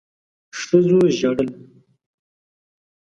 ښځو ژړل.